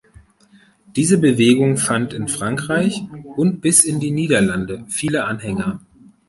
Diese Bewegung fand in Frankreich und bis in die Niederlande viele Anhänger.